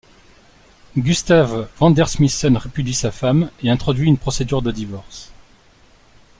Gustave Vandersmissen répudie sa femme et introduit une procédure de divorce.